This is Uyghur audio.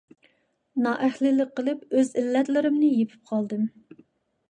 نائەھلىلىك قىلىپ، ئۆز ئىللەتلىرىمنى يېپىپ قالدىم.